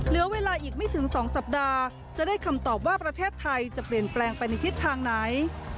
เหลือเวลาอีกไม่ถึง๒สัปดาห์จะได้คำตอบว่าประเทศไทยจะเปลี่ยนแปลงไปในทิศทางไหน